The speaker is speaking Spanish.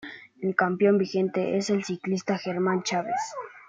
El campeón vigente es el ciclista Germán Chaves.